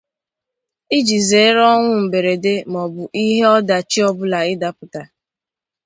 iji zeere ọnwụ mberede maọbụ ihe ọdachi ọbụla ịdapụta.